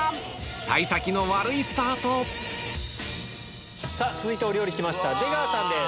幸先の悪いスタート続いてお料理出川さんです。